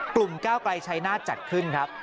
กลุ่มก้าวกลายชัยนาศจัดขึ้นครับ